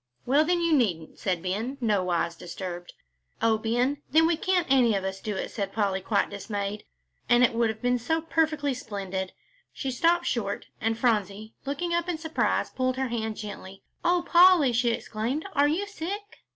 "Well, then, you needn't," said Ben, nowise disturbed. "Oh, Ben, then we can't any of us do it," said Polly, quite dismayed, "and it would have been so perfectly splendid." She stopped short, and Phronsie, looking up in surprise, pulled her hand gently. "Oh, Polly," she exclaimed, "are you sick?"